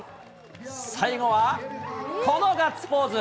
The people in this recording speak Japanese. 最後は、このガッツポーズ。